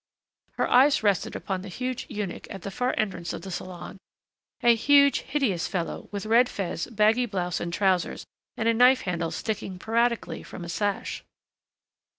Her eyes rested upon the huge eunuch at the far entrance of the salon, a huge hideous fellow, with red fez, baggy blouse and trousers, and a knife handle sticking piratically from a sash.